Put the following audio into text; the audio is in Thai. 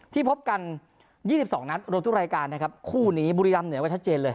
พบกัน๒๒นัดรวมทุกรายการนะครับคู่นี้บุรีรำเหนือก็ชัดเจนเลย